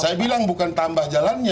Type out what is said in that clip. saya bilang bukan tambah jalannya